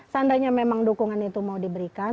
seandainya memang dukungan itu mau diberikan